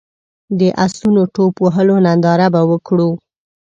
د اسونو ټوپ وهلو ننداره به وکړو.